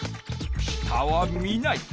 下は見ない。